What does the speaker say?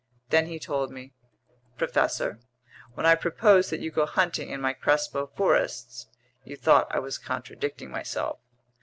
Then he told me: "Professor, when I proposed that you go hunting in my Crespo forests, you thought I was contradicting myself.